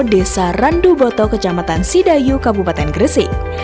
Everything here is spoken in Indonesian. desa randuboto kecamatan sidayu kabupaten gresik